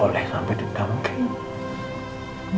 kau boleh sampai dendam kay